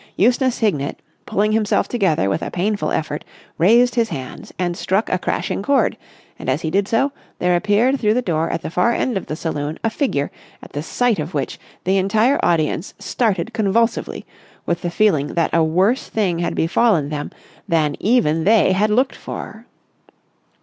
Eustace Hignett, pulling himself together with a painful effort, raised his hands and struck a crashing chord, and, as he did so, there appeared through the door at the far end of the saloon a figure at the sight of which the entire audience started convulsively with the feeling that a worse thing had befallen them than even they had looked for.